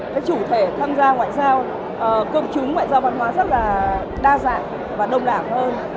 cái chủ thể tham gia ngoại giao cơm trúng ngoại giao văn hóa rất là đa dạng và đồng đảng hơn